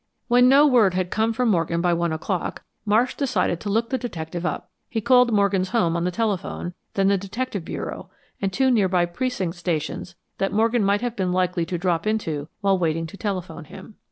When no word had come from Morgan by one o'clock, Marsh decided to look the detective up. He called Morgan's home on the telephone, then the detective bureau, and two nearby precinct stations that Morgan might have been likely to drop into while waiting to telephone him.